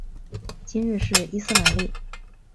今日是伊斯兰历。